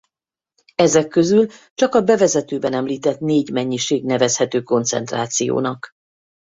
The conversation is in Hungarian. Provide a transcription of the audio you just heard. Ezek közül csak a bevezetőben említett négy mennyiség nevezhető koncentrációnak.